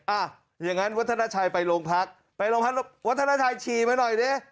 อ่าอย่างงั้นวัฒนาชายไปลงพักไปลงพักวัฒนาชายชีมาหน่อยนะ